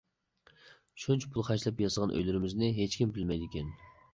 شۇنچە پۇل خەجلەپ ياسىغان ئۆيلىرىمىزنى ھېچكىم بىلمەيدىكەن.